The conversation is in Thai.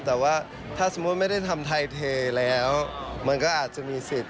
แต่ว่าถ้าสมมุติไม่ได้ทำไทยเทแล้วมันก็อาจจะมีสิทธิ์